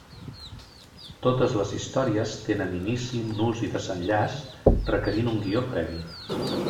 Totes les històries tenen inici, nus i desenllaç, requerint un guió previ.